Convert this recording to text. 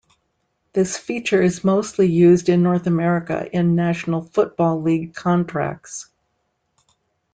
This feature is mostly used in North America in National Football League contracts.